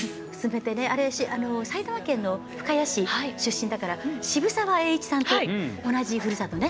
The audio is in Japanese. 埼玉県の深谷市出身ですから渋沢栄一さんと同じふるさとね。